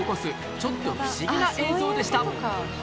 ちょっと不思議な映像でした